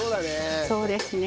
そうですね。